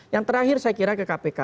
yang terakhir saya kira ke kpk